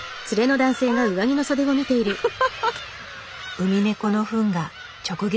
ウミネコのフンが直撃。